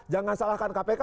jangan salahkan kpk